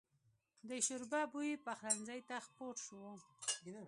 د شوربه بوی پخلنځي ته خپور و.